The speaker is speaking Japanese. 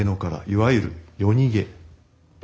いわゆる夜逃げ。